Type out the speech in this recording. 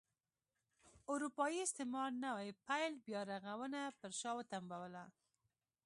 اروپايي استعمار نوي پیل بیا رغونه پر شا وتمبوله.